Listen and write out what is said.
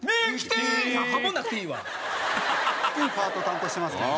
低いパート担当してますから。